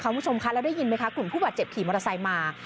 คุณผู้ชมคะแล้วได้ยินไหมคะกลุ่มผู้บาดเจ็บขี่มอเตอร์ไซค์มา